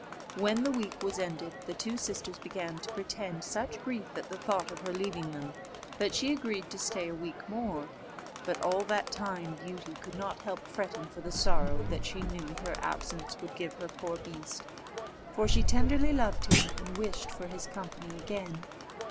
When the week was ended, the two sisters began to pretend such grief at the thought of her leaving them, that she agreed to stay a week more: but all that time Beauty could not help fretting for the sorrow that she knew her absence would give her poor beast; for she tenderly loved him, and much wished for his company again.